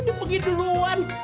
dia pergi duluan